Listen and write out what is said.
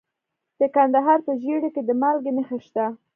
د کندهار په ژیړۍ کې د مالګې نښې شته.